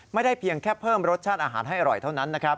ไม่ได้เพียงแค่เพิ่มรสชาติอาหารให้อร่อยเท่านั้น